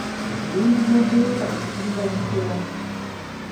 Emirimu gya bbulooka gifugibwa gitya?